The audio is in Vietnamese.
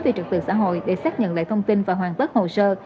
về trực tự xã hội để xác nhận lại thông tin và hoàn tất hồ sơ